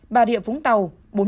bà địa vũng tàu bốn mươi bảy